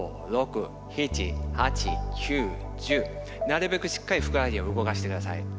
なるべくしっかりふくらはぎを動かしてください。